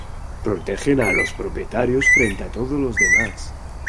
protegen a los propietarios frente a todos los demás